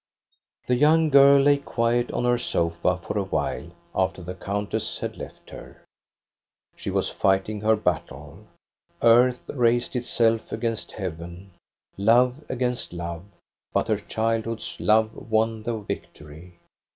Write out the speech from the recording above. '" The young girl lay quiet on her sofa for a while after the countess had left her. She was fighting her battle. Earth raised itself against heaven, love against love; but her childhood's love won the vic tory.